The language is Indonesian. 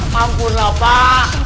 mampus lah pak